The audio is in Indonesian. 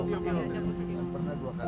jadi tidak benar pak ya